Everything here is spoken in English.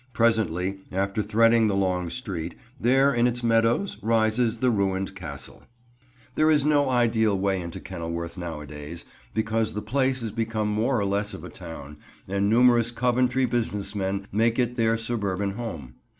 Presently, after threading the long street, there in its meadows rises the ruined Castle. There is no ideal way into Kenilworth nowadays, because the place has become more or less of a town, and numerous Coventry business men make it their suburban home.